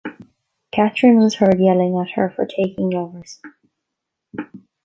Catherine was heard yelling at her for taking lovers.